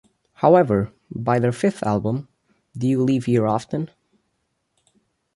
However, by their fifth album, Do You Leave Here Often?